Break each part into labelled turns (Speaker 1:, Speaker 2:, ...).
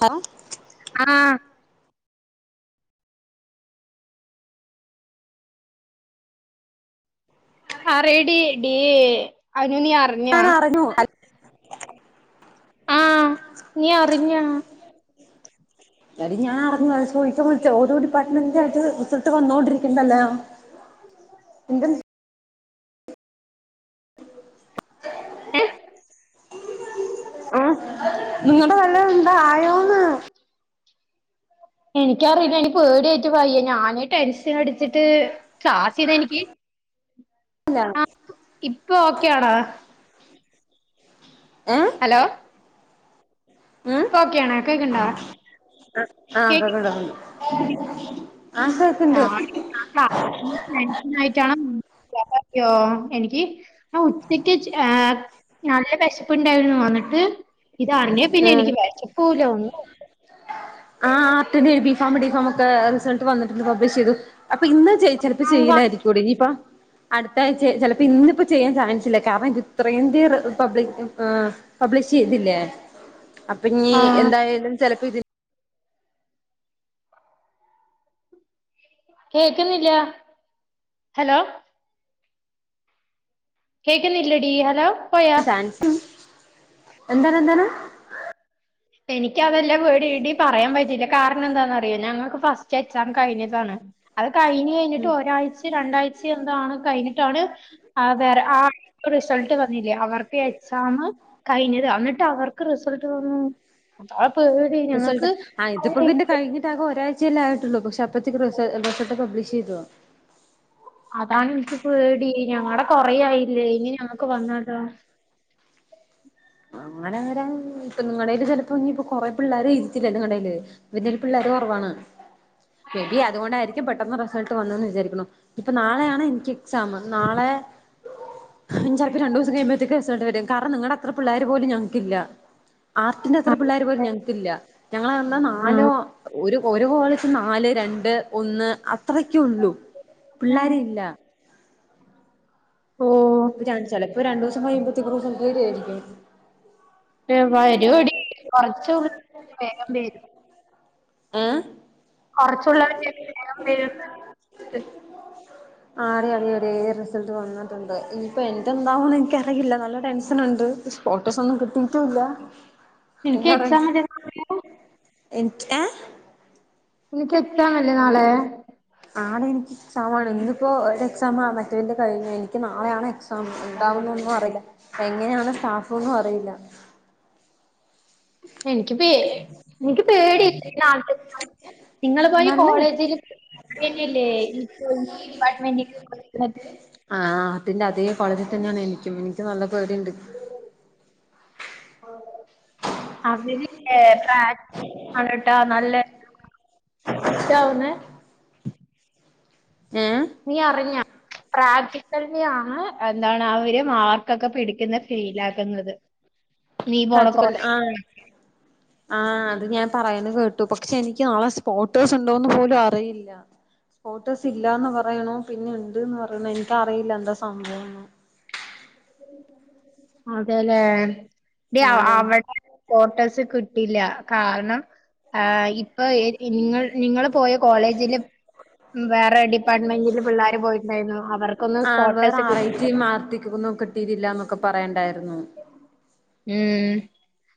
Speaker 1: Hello
Speaker 2: ആഹ് പറടി ഡീ അനു നീ അറിഞ്ഞാ
Speaker 1: ഞാനഅറിഞ്ഞു അ
Speaker 2: ആഹ് നീ അറിഞ്ഞാ?
Speaker 1: എടി ഞാൻ അറിഞ്ഞുഅത് ചോയിക്കാൻ വിളിച്ച ഓരോ ഡിപ്പാർട്ട്മെന്റിന്റെ ആയിട്ട് വന്നോണ്ടിരിക്കുന്നല്ല. ആഹ് നിങ്ങളടെ വല്ല എന്താ ആയോന്ന്?
Speaker 2: എനിക്കറിയില്ല എനി പേടിയായിട്ട് പയ്യ ഞാന് ടെൻഷൻ അടിച്ചിട്ട്. കാശിന് എനിക്ക്
Speaker 1: അ [inaudible]
Speaker 2: ആഹ് ഇപ്പൊ ഓക്കെയാണോ?
Speaker 1: ഏഹ്
Speaker 2: ഹലോ
Speaker 1: [unintelligible]
Speaker 2: ഇപ്പൊ ഓക്കെയാണോ കേക്ക്ണ്ടോ കേക്ക്ണ്ടോ
Speaker 1: ആഹ് കേക്ണ്ട്
Speaker 2: [unintelligible] എനിക്ക് ആഹ് ഉച്ചക്ക് എഹ് നല്ല വിശപ്പുണ്ടായിരുന്നു വന്നിട്ട്. ഇതറിഞ്ഞേ പിന്നെ
Speaker 1: ആഹ്
Speaker 2: എനിക്ക് വിശപ്പൂല ഒന്നും ഇല്ല
Speaker 1: ആഹ് അ ബി ഫോ ഡി ഫോമ ഒക്കെ റിസൾട്ട് വന്നിട്ടുണ്ട് പബ്ലിഷ് ചെയ്തു. അപ്പൊ ഇന്ന് ചെയ ചിലപ്പപ്പോ ചെയ്യിലായിരിക്കുംടെ ഇനിയിപ്പ. അടുത്തഴ്ച ചിലപ്പോ ഇന്നിപ്പോ ചെയ്യാൻ ചാൻസല്ല കാരണം ഇത്രേന്ത്യ റി പബ്ലിക് ഉം പബ്ലിഷ് ചെയ്തില്ലേ? അപ്പൊ ഇനി
Speaker 2: ആഹ്
Speaker 1: എന്തായാലും ചിലപ്പോ ഇതി
Speaker 2: കേൾക്കുന്നില്ല ഹലോ. കേക്ക്നില്ലടി ഹലോ പോയ.
Speaker 1: ചാൻസ് എന്താണ് എന്താണ്?
Speaker 2: എനിക്ക് അതെല്ല പേടി ഇടിം പറയാൻ പറ്റില്ല കാരണം എന്താന്നറിയോ ഞങ്ങൾക്ക് ഫസ്റ്റ് എക്സാമ് കഴിഞ്ഞതാണ് അത് കഴിഞ്ഞ് കഴിഞ്ഞിട്ട്
Speaker 1: ഉം
Speaker 2: ഒരാഴ്ചെ രണ്ടാഴ്ചെ എന്താണ് കഴിഞ്ഞ്ട്ടാണ് ആഹ് വേറെ ആ റിസൾട്ട് വന്നില്ലേ അവർക്ക് എക്സാമ് കഴിഞ്ഞതാ എന്നിട്ട് അവർക്ക് റിസൾട്ട് വന്ന് അപ്പൊ ഓര്
Speaker 1: റിസൾട്ട് ആഹ് ഇത്‌പ്പൊ പിന്നെ കഴിഞ്ഞിട്ട് ആകെ ഒരാഴ്ചയല്ലേ ആയിട്ടൊള്ളൂ പക്ഷെ അപ്പഴ്ത്തേക്ക്‌ റിസ റിസൾട്ട് പബ്ലിഷ് ചെയ്തോ
Speaker 2: അതാണ് ഇൻക്ക് പേടി ഞങ്ങടെ കൊറയായില്ലേ ഇഞ് ഇനി ഞങ്ങക്ക് വന്നാലോ
Speaker 1: അങ്ങനെ വരാൻ ഇപ്പൊ നിങ്ങടേല് ചെലപ്പം ഇഞ് ഇപ്പൊ കൊറേ പിള്ളാര് എഴുതിറ്റ്ല്ലല്ലോ നിങ്ങടേല് ഇവര്ടേല് പിള്ളാര് കൊറവാണ് മേ ബി അതുകൊണ്ടായിരിക്കും പെട്ടെന്ന് റിസൾട്ട് വന്ന്ന്ന് വിചാരിക്ക്‌ണു ഞ് ഇപ്പൊ നാളെയാണ് എനിക്ക് എക്സാമ് നാളെ ഇനി ചെലപ്പോ രണ്ടുസ സം കയ്യ്മ്പഴത്തേക്കും റിസൾട്ട് വരും കാരണം നിങ്ങടെ അത്ര പിള്ളാര് പോലും ഞങ്ങക്കില്ല. ആർട്ടിന്റെ അത്ര പിള്ളേര് പോലും ഞങ്ങക്കല്ല. ഞങ്ങള് പർഞ്ഞ
Speaker 2: ആ
Speaker 1: നാലോ ഒരു ഒരു കോളേജിന്ന് നാല് രണ്ട് ഒന്ന്. അത്രക്കെ ഉള്ളു പിള്ളാര് ഇല്ല. ഇപ്പ രൺ
Speaker 2: ഓ
Speaker 1: ചെലപ്പൊ രണ്ടുസം കയ്യുമ്പഴേത്തേക്കും റിസൾട്ട് വരുവായിരിക്കും
Speaker 2: റ്റ് വരുവോടി കൊറച്ചൊന്ന് [unintelligible] വേഗം വെരും ഏ [unintelligible]
Speaker 1: ഏഹ്
Speaker 2: കൊറച്ചുള്ളവരുടെ റിസൾട്ട് വേഗം വെരും
Speaker 1: ആടി അതെ അതെ റിസൾട്ട് വന്ന്ട്ട്ണ്ട് ഇനിയിപ്പൊ എനിക്ക് എന്താവണ് എനിക്കറിയില്ല നല്ല ടെൻഷന് ഉണ്ട്. ഫോട്ടോസൊന്നും കിട്ടിട്ടൂല്ല നിനക്ക് അവ്ടെ എക്സാം അല്ലെ നാളെ ഇൻക്ക് ഏഹ്
Speaker 2: നിനക്ക് എക്സാം അല്ലെ നാ
Speaker 1: ആണ് എനിക്ക്‌ എക്സാമാണ് ഇന്ന്പ്പോ അവ്ടെ എക്‌സാമാണ് മറ്റേയിന്റെ കഴിഞ്ഞു എനിക്ക് നാളെയാണ് എക്സ് സാം എന്താണെന്നൊന്നും അറിയില്ല എങ്ങനെയാണ് സ്റ്റാഫ്ന്നും അറിയില്ല
Speaker 2: എനിക്ക് പേ എനിക്ക് പേടി നാളെ തൊട്ട് നിങ്ങള് പോയി
Speaker 1: നല്ല
Speaker 2: കോളേജിലും ഇല്ലില്ലേ എനിക്ക് ഡിപ്പാർട്ട് മെന്റ് [unintelligible]
Speaker 1: ആഹ് ആഹ് അത്തിന്റെ അതേ കോളേജി തന്നെയാണ് എനിക്കും എനിക്ക് നല്ല പേടിണ്ട്
Speaker 2: ആണോ അവര് ഏ പ്രാ ആണ് ട്ടോ നല്ലെ പ്പഴാ വന്നേ
Speaker 1: ഏഹ്
Speaker 2: നിയറിഞ്ഞാ പ്രാക്ടിക്കൽനിയാണ് എന്താണ് അവര് മാർക്കൊക്കെ പിടിക്ക്‌ന്ന് ഫെയ്ലാക്ക്‌ന്നത്
Speaker 1: പ്രാക്റ്റിക്കൽ ആണ് ആഹ് അത് ഞാൻ പറയ്ന്ന് കേട്ടു പക്ഷെ എനിക്ക് നാളെ സ്പോർട്ടേഴ്സ് ഇണ്ടോന്ന് പോലും അറിയില്ല സ്പോർട്ടേയ്സ് ഇല്ലാന്ന് പറയ്ണു പിന്നെ ഇണ്ട്ന്ന് പറയ്ണ് എനിക്കറിയില്ല എന്താ സംഭവൊന്നും
Speaker 2: അതേലെ ടി അവ്
Speaker 1: നാളെ
Speaker 2: അവടെ സ്പോട്ടേഴ്സ് കിട്ടില്ല കാരണം എഹ് ഇപ്പൊ ഇങ്ങൾ നിങ്ങള് പോയ കോളേജിലും ഉം വേറെ ടി പ്പാർട്ട്മെന്റില് പിള്ളാര് പോയിട്ട്ണ്ടായിരുന്നു അവർക്കൊന്നും സ്പോർട്ടേയ്സ് കിട്ടിയില്ല
Speaker 1: [unintelligible] മാർത്തിക്ക് ഒന്നും കിട്ടിയിറ്റില്ലന്നൊക്കെ പറയ്ണ്ടായിരുന്നു
Speaker 2: ഉം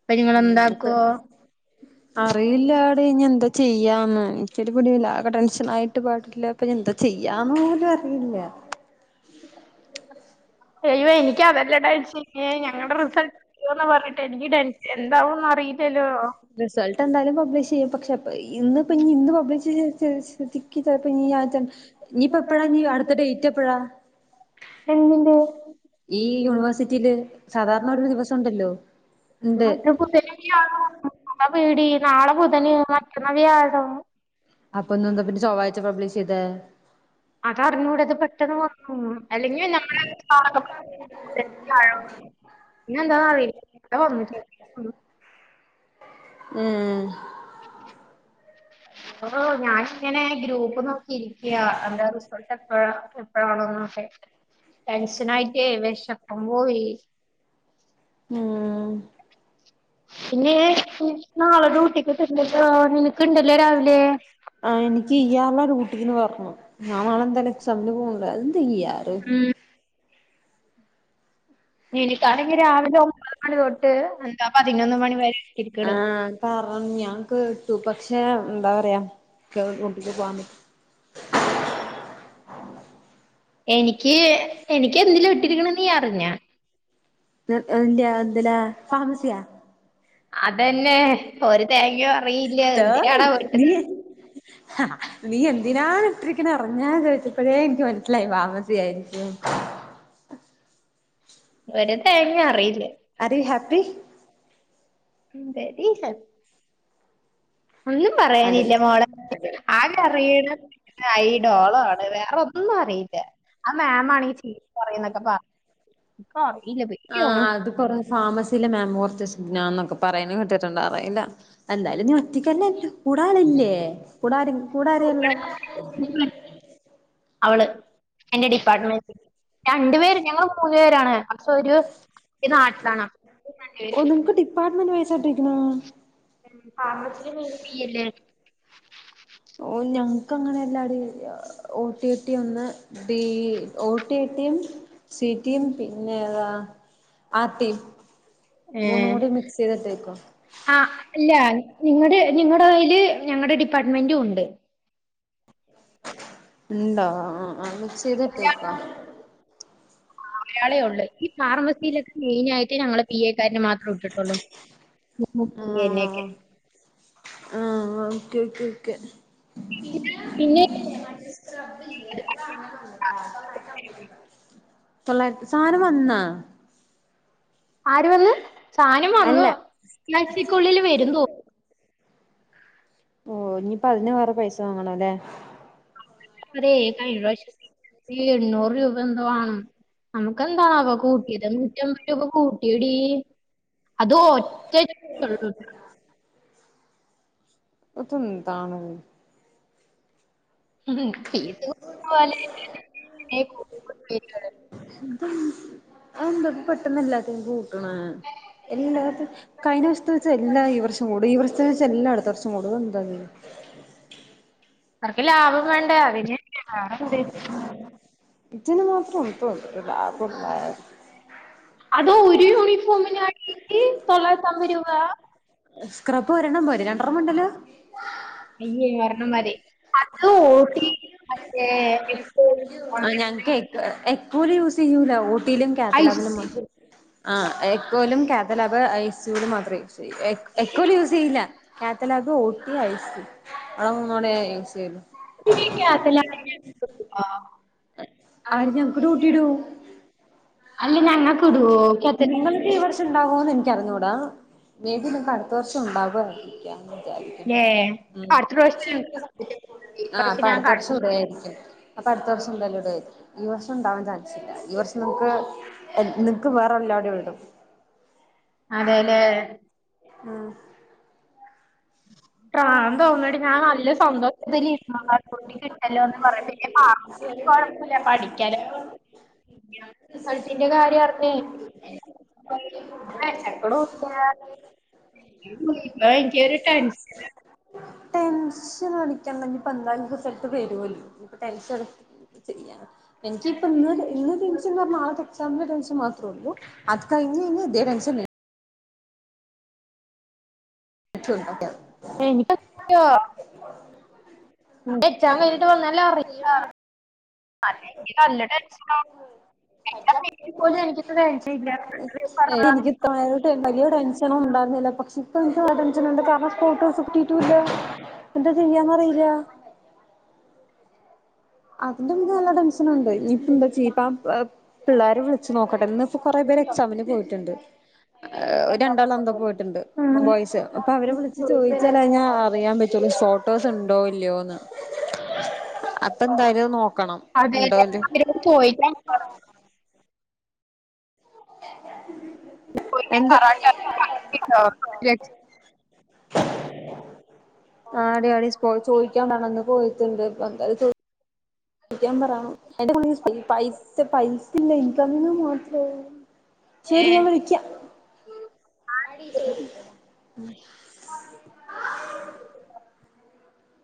Speaker 2: അപ്പ ഇഞ് ഇങ്ങള്
Speaker 1: ഉം
Speaker 2: എന്താക്കോ
Speaker 1: ഇപ്പ അറിയില്ലാടി ഇനി എന്താ ചെയ്യാന്ന് ഇൻക്കൊരു പിടിയില്ല ആകെ ടെൻഷനായിട്ട് പാടില്ല അപ്പൊ ഇഞ് എന്താ ചെയ്യാന്ന് പോലും അറിയില്ല
Speaker 2: അയ്യോ എനിക്ക് അതല്ല ടെൻഷൻ ഇഞ് ഞങ്ങടെ റിസൾ റ്റ്ന്ന് പർഞ്ഞിട്ട് എനിക്ക് ടെൻഷൻ എന്താവുംന്ന് അറിയില്ലല്ലോ
Speaker 1: റിസൾട്ട് എന്തായാലും പബ്ലിഷ് യ്യും പക്ഷെ ഇന്ന് ഇപ്പഞ്ഞി ഇന്ന് പബ്ലിഷ് ഇനി ചിലപ്പോ ഈ ആഴ്ച ഞ്ഞ് എപ്പഴാ ഞ്ഞ് അടുത്ത ഡേറ്റ് എപ്പഴാ
Speaker 2: എന്തിൻ്റെ
Speaker 1: ഈ യൂണിവേഴ്സിറ്റില് സാധാരണ ഒരു ദിവസം ണ്ടല്ലോ
Speaker 2: [inaudible] അതാ പേടി നാളെ ബുധന് മറ്റന്ന വ്യാഴം
Speaker 1: അപ്പൊ ഇന്ന് എന്താ പിന്നെ ചൊവ്വാഴ്ച പബ്ലിഷിത
Speaker 2: അതറിഞ്ഞൂട ഇത് പെട്ടെന്ന് വ ഉം അല്ലെങ്കിൽ നമ്മള് [unintelligible] പിന്നെ എന്താ ന്നറിയാ [unintelligible]
Speaker 1: ഉം
Speaker 2: ഓഹ് ഞാൻ ഇങ്ങനെ ഗ്രൂപ്പ് നോക്കി ഇരിക്ക്യ എന്റെ റിസൾട്ട് എപ്പഴ എപ്പഴാണോന്നൊക്കെ ടെൻഷനായിട്ടെ വെഷപ്പും പോയി
Speaker 1: ഉം
Speaker 2: പിന്നെ നാളെ ഡൂട്ടിക്ക്ട്ട നിനക്ക് ണ്ട്ല്ലേ രാവിലെ
Speaker 1: ആഹ് എനിക്ക് ഇ്യാറുള്ളാ ഊട്ടിന്ന് പറഞ്ഞു ഞാ നാളെ എന്താലും എക്സമിന് പോകുന്നുണ്ട് അത് എന്താ ഇ്യാറ്
Speaker 2: ഉം ഇനിക്കാണെങ്കി രാവിലെ ഒമ്പത് മണി തൊട്ട് എന്താ പതിനൊന്ന് മണി വരെരിക്കണ്
Speaker 1: കാരണം ഞാൻ കേട്ടു പക്ഷെ എന്താ പറയാ എനിക്ക് ഡ്യൂട്ടിക്ക് പോവാ
Speaker 2: എനിക്ക് എനിക്ക് എന്തിലും ഇട്ടിരിക്ക്ണ് നീ അറിഞ്ഞ
Speaker 1: എന്റെ എന്തിലാ ഫാർമസിയാ
Speaker 2: അതെന്നെ ഒരു തേങ്ങി അറിയില്ല
Speaker 1: തോന്നി
Speaker 2: എന്തിനണാ ഇട്ടത്
Speaker 1: നീ ആഹ് നീ എന്തിനാണ ഇട്ടിരിക്കണ അറിഞ്ഞാന്ന് ചോദിച്ചപ്പോഴേ എനിക്ക് മനസ്സിലായി ഫാർമസിയായി ഉം
Speaker 2: ഒര് തേങ്ങ അറീല
Speaker 1: are you happy
Speaker 2: very happy ഒന്നും പറയാനില്ല
Speaker 1: അടിപൊളി
Speaker 2: മോളെ
Speaker 1: അടിപൊളി
Speaker 2: ആകെ അറിയണ് ഈ ഡോളൊ ആണ് വേറൊന്നും അറീല്ല ആ മാമാണെങ്കി ചീത്തറീന്നൊക്കെ പ കാറിലത്
Speaker 1: ആഹ് അത് പറ ഫാർമസീലെ മാമ് കൊർച്ച് സീനാന്നൊക്കെ പറയ്ണ് കേട്ടിട്ട്ണ്ട് അറിയില്ല എന്തായാലും നീ ഒറ്റക്കല്ലല്ലൊ കൂടാളില്ലേ കൂടാര് കൂടാരെള്ളെ?
Speaker 2: അവള് എന്റെ ഡിപ്പാർട്ട്മെന്റ് രണ്ട് പേര് ഞങ്ങള് മൂന്ന് പേരാണ് സാെരു നാട്ടിലാണ് രണ്ട് പേരും
Speaker 1: ഡിപ്പാർട്ട്മെൻ്റ് ബേസാട്ടിക്ക്ണ്
Speaker 2: ഉം ഫാർമസീല് മെയ്ന് ബി അല്ലേ
Speaker 1: ഓ ഞങ്ങക്കങ്ങനെ എല്ലാടീ ഓട്ടി ട്ടി ഒന്ന് ബി ഒ ടി ടിം സീടിം പിന്നേതാ ആർട്ടിം മൂന്നും കൂടി മിക്സെയ്തിട്ടേക്കും
Speaker 2: അ അല്ല നിങ്ങടെ നിങ്ങടെ കയ്യില് ഞങ്ങടെ ഡിപ്പാർട്ട്മെന്റൂണ്ട്
Speaker 1: ഉണ്ടോ ആ ആ മിക്സെയ്ത്ട്ടേക്കാ
Speaker 2: അയാളെ ഒള്ള് ഈ ഫാർമസീലൊക്കെ മെയ്നായിട്ട് ഞങ്ങളെ പി എക്കാരന് മാ ത്രട്ട് ട്ടൊള്ളു [unintelligible] എന്നെ ഒകെ
Speaker 1: ആഹ് ഓക്കെ ക്കെ ക്കെ
Speaker 2: പിന്നെ
Speaker 1: [unintelligible] തൊള്ളായി സാനം വന്നാ
Speaker 2: ആര് വന്ന് സാനം വന്ന്
Speaker 1: അല്ല
Speaker 2: ഈ ആയ്ച്ചക്കുള്ളില് വരും തോ
Speaker 1: ഓ ഇഞ്പ്പതിന് വറെ പൈസ വാങ്ങണല്ലേ
Speaker 2: അതേ കയ്ഞ്ഞ പ്രാവശ്യം ഈ എണ്ണൂറ് രൂപന്തോ ആണ് നമക്കെന്താണാവോ കൂട്ടിയത് നൂറ്റമ്പത് രൂപ കൂട്ടിയെടീ അതും ഒറ്റ കേടുല്ല
Speaker 1: അതെന്താണ്
Speaker 2: ഫീസ് പോലെ [inaudible]
Speaker 1: ഇതെന്ത് അതെന്താ പെട്ടന്നെല്ലാത്തിനും കൂ ട്ട്ണ് എല്ലാത്ത കയ്ഞ്ഞ വർഷത്ത് വെച്ച് എല്ലാ ഈ വർഷം കൂടി ഈ വർഷത്ത് വെച്ച് എല്ലാ അട്ത്ത വർഷം കൂടു ഇതെ [unintelligible]
Speaker 2: അവർക്ക് ലാഭം വേണ്ടേ അതിന് ന്നെ വേറെന്ത്
Speaker 1: ഇതിന് മാത്രം ഉണ്ടോ ലാഭം മ
Speaker 2: അത് ഒര് യൂണിഫോമിനാടീ റ്റ് തൊള്ളായിരത്തമ്പ രൂപ
Speaker 1: സ്ക്രബ് ഒരെണ്ണം പോരെ രണ്ട്രണ്ണം വേണ്ടല്ലോ
Speaker 2: അയ്യേ ഒരെണ്ണം മതി അത് ഓട്ടി മറ്റേ എട്ട്
Speaker 1: ആ
Speaker 2: [inaudible]
Speaker 1: ഞങ്ങക്ക് എക് എക്കോല് യൂസെയ്യൂല ഓട്ടീലും കാത്തലോകിലും മ ആഹ് ഏക്കോലും കാത്തലബ് ഐ സൂലും മാത്രേ യുസെയ്യു എ എക്കോല് യൂസെയ്യില്ല കാത്തലബ് ഓട്ടി ഐ സ്‌യു അവടെ മൂന്നോടെ യു സ്യ്യള്ളൂ
Speaker 2: ഐസ്ക്രീമിലേക്കകത്തിലാണ്
Speaker 1: ആര് ഞങ്ങക്ക് ടൂട്ടിടോ
Speaker 2: അല്ല ഞങ്ങക്ക്ടോ കേത്ത
Speaker 1: നിങ്ങക്കീ ഈ വർഷണ്ടാകോന്ന് എൻക്കറിഞ്ഞൂടാ മേബി നിങ്ങക്കട്ത്ത വർഷം ഉണ്ടാവാര്ന്ന് [unintelligible]
Speaker 2: ഏ
Speaker 1: ഉം
Speaker 2: അടുത്ത പ്രാവശ്യം
Speaker 1: കൊർച്ചെയ്ഞ്ഞ്ട്ട് സം
Speaker 2: ഞങ്ങൾക്ക് തന്നില്ല. ഈ
Speaker 1: ആ
Speaker 2: പ്രാവശ്യം ഞാൻ
Speaker 1: അപ്പട്ത്ത വർഷം
Speaker 2: കണ്ടില്ല
Speaker 1: ഇടുവായിരിക്കും അപ്പട്ത്ത വർഷം എന്തായാലും ഇടുവായിരിക്കും ഈ വർഷണ്ടവാൻ ചാൻ സില്ല ഈ വർഷം നിങ്ങക്ക് എ നിങ്ങക്ക് വേറെല്ലാടെ ഇടും
Speaker 2: അതേലേ
Speaker 1: ആഹ്
Speaker 2: പ്രാന്ത് തോന്നയടി ഞാൻ നല്ല സന്തോഷത്തില് ഇരിന്നതാ പൊട്ടി ഇനി കിട്ടല്ലോ എന്ന് കൊറേ പേര് പാ
Speaker 1: ഒര് കൊഴപ്പില്ല പഠിക്കാനെ പറഞ്ഞു വിദ്യാർത്ഥി [inaudible]
Speaker 2: റിസൾട്ടിന്റെ
Speaker 1: സത്യങ്ങൾ
Speaker 2: കാര്യം
Speaker 1: അറിഞ്ഞ്
Speaker 2: അറിഞ്ഞേ
Speaker 1: തൊടങ്ങി ഇരിക്കില്ലേ ഏ കൊ [unintelligible] ഫുഡ്‌ വെശക്കണു ല്ലാ
Speaker 2: [inaudible] ന്നാ ഇൻകൊര്‌ ര ടെൻഷനാ
Speaker 1: ടെൻഷൻ അടിക്കണ്ടെങ്കിൽ ഇപ്പ എന്തായാലും റിസൽട്ട് വെരുവല്ലോ ഇപ്പ ടെൻഷൻ എടുത് എന്ത് ചെയ്യാനാ എനിക്ക് ഇപ്പ ഇന്ന് ഇന്ന് ടെൻഷൻ ന്നറ്ഞ്ഞാ നാളത്തെ എക്സാമിന്റെ ടെൻഷൻ മാത്രേ ഒള്ളൂ അത് കയിഞ്ഞ് യിഞ്ഞാ ഇതേ ടെൻഷന്നെ ചു [unintelligible]
Speaker 2: എനിക്ക് [unintelligible] ഇന്റെ എക്സാം കയിഞ്ഞിട്ട് വന്നാല് അറി പറിണ എനിക്ക് നല്ല ടെൻഷനാ എക്സാം കഴിഞ്ഞിട്ട് പോലും എനിക്ക് ഇത്ര ടെൻഷൻ ഇല്ല [inaudible]
Speaker 1: ഇപ്പം [unintelligible] വല്യ ടെൻഷനും ണ്ടായിരുന്നില്ല പക്ഷേ ഇപ്പം എനിക്ക് ആ ടെൻഷൻ ഒണ്ട് കാരണം ഫോട്ടോസ് കിട്ടിട്ടൂല്ല എന്താ ചെയ്യാന്ന് അറീല്ല അതിന്റെ മുന്നെ നല്ല ടെൻഷനുണ്ട് ഇനിയിപ്പ എന്താ ചീപ്പാം
Speaker 2: പറഞ്ഞതാണ്.
Speaker 1: വ് പിള്ളേരെ വിള്ച്ച് നോക്കട്ടെ ഇന്ന് ഇപ്പൊ കൊറേ പേര് എക്സാമിന് പോയിട്ട്ണ്ട് ഏ് രണ്ടാള് അന്ത പോയിട്ട്ണ്ട് ബോയ്സ് അപ്പ അവരെ വിളിച്ച് ചോദിച്ചാലാഞാ അറിയാൻ പറ്റോല്ലോ ഫോട്ടോസ് ഇണ്ടോ ഇല്ലയോന്ന് അപ്പ എന്തായാലും അഅ് നോക്കണം ഇണ്ടോന്ത്
Speaker 2: ഇപ്പ ചോയിക്കാൻ ണ്ടോ ചോദിക്കാൻ
Speaker 1: എന്ത
Speaker 2: പറയട്ടെ
Speaker 1: ആടിയാടി സ്പോ ചോയിക്കാൻ പറണന്ന് പോയി റ്റ്ണ്ട് അപ്പ എന്തായ്ലും ത് ക്കാൻ പറ എന്റെ ഫുള്ള് ഈ പൈ സ പൈസില്ലേ ഇൻക്ക് അതിന് മാത്രേ ശരി ഞാൻ
Speaker 2: ഏഹ്
Speaker 1: വിളിക്കാ ആടി ശരി